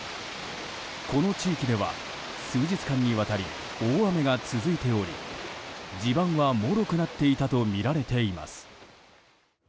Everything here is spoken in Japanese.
この地域では数日間にわたり大雨が続いており地盤はもろくなっていたとみられています。